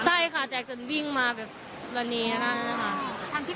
ใช่ค่ะใช่ค่ะอืมแล้วหลังจากนั้นคือพี่ยังไงไปหลบไกลอะไรอย่างนี้